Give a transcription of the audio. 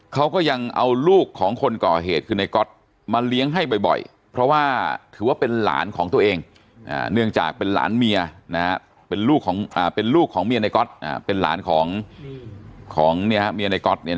เขาก็ยังเอาลูกของคนก่อเหตุคือนายก๊อตมาเลี้ยงให้บ่อย